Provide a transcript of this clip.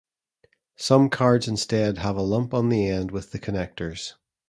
Some cards instead have a lump on the end with the connectors.